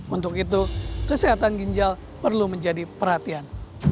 untuk itu kesehatan ginjal perlu menjadi perhatian